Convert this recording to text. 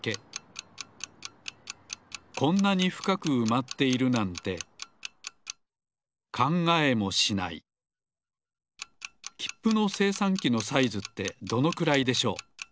こんなにふかくうまっているなんてきっぷのせいさんきのサイズってどのくらいでしょう？